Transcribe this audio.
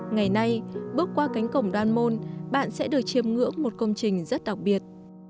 ngày nay bước qua cánh cổng đoan môn bạn sẽ được chiêm ngưỡng một công trình rất đặc biệt